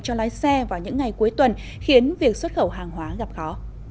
cho lái xe vào những ngày cuối tuần khiến việc xuất khẩu hàng hóa gặp khó